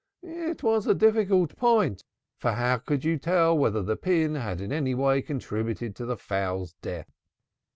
It was a very difficult point, for how could you tell whether the pin had in any way contributed to the fowl's death?